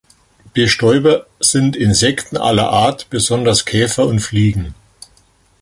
Bestäuber sind Insekten aller Art, besonders Käfer und Fliegen.